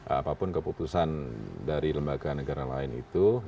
apapun keputusan dari lembaga negara lain itu